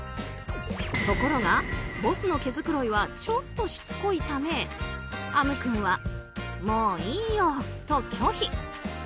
ところが、ボスの毛づくろいはちょっとしつこいため逢夢君は、もういいよと拒否。